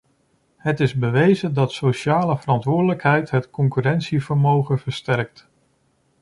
Het is bewezen dat sociale verantwoordelijkheid het concurrentievermogen versterkt.